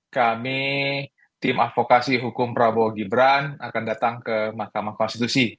kami tim advokasi hukum prabowo gibran akan datang ke mahkamah konstitusi